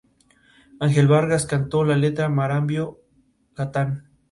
Ángel Vargas cantó la letra de Marambio Catán.